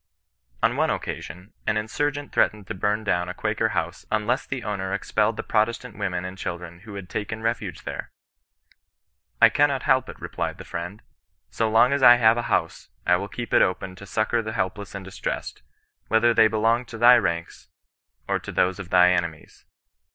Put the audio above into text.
On cme occaBion, an insurgent threatened to bum ^own » Quaker house unless the owner expelled the Protestant women and ohildren iriiio had taken refuge there. ^ I cannot help it,*' r^Hed the Fri«Q!ii% ^ itR^VkT^^ 126 CHRISTIAN NOK BESISTANOB. as I have a house, I will keep it open to succour the helpless and distressed, whether they helong to thy ranLi, or to those of thy enemies.